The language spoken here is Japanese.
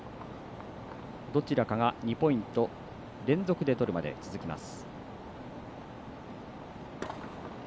どちらかが２ポイント連続で取るまで続きます。